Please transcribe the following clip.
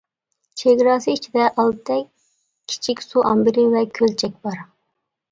چېگراسى ئىچىدە ئالتە كىچىك سۇ ئامبىرى ۋە كۆلچەك بار.